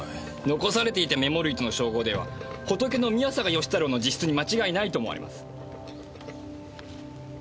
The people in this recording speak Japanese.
残されていたメモ類との照合ではホトケの宮坂義太郎の自筆に間違いないと思われます。